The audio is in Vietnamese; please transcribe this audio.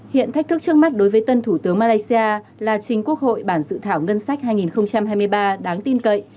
hiện thách thức trước mắt đối với tân thủ tướng malaysia là chính quốc hội bản dự thảo ngân sách hai nghìn hai mươi ba đáng tin cậy